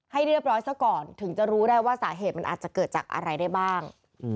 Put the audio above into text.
ให้เรียบร้อยซะก่อนถึงจะรู้ได้ว่าสาเหตุมันอาจจะเกิดจากอะไรได้บ้าง